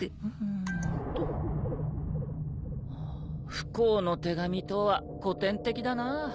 不幸の手紙とは古典的だな。